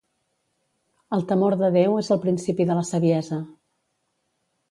El temor de Déu és el principi de la saviesa.